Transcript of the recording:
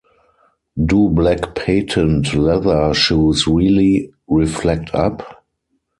Do Black Patent Leather Shoes Really Reflect Up?